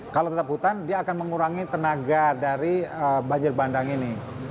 kalau tetap hutan dia akan mengurangi tenaga dari banjir bandang ini